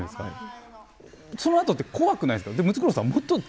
その後って怖くないですか。